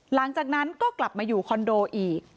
หลังจากนั้นก็กลับมาอยู่คอนโดอีก